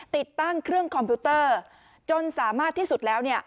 ติดตั้งเครื่องคอมพิวเตอร์จนสามารถที่สุดแล้วเนี่ย